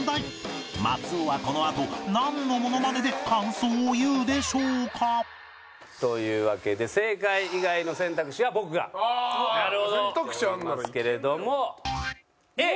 松尾はこのあとなんのモノマネで感想を言うでしょうか？というわけで正解以外の選択肢は僕が考えておりますけれども。